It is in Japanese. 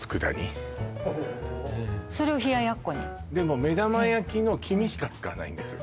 でも目玉焼きの黄身しか使わないんです